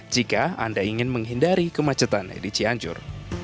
jika anda ingin menghindari kemacetan di cianjur